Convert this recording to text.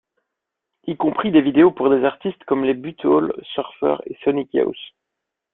Y compris des vidéos pour des artistes comme les Butthole Surfers et Sonic Youth.